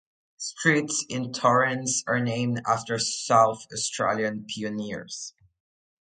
Streets in Torrens are named after South Australian pioneers.